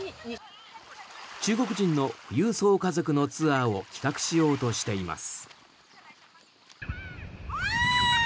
中国人の富裕層家族のツアーを企画しようとしています。